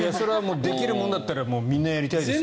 できるものならみんなやりたいですよね。